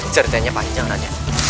ceritanya panjang raden